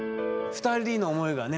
２人の思いがね